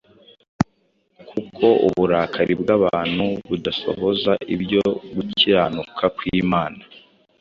Kuko uburakari bw’abantu budasohoza ibyo gukiranuka kw’Imana.